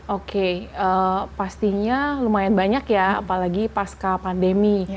oke pastinya lumayan banyak ya apalagi pasca pandemi